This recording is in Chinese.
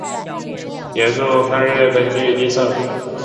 盐阜抗日根据地设。